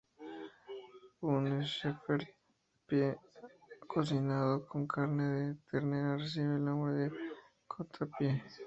Un "shepherd's pie" cocinado con carne de ternera recibe el nombre de "cottage pie".